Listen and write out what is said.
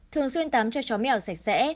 thường xuyên tắm cho chó mèo sạch sẽ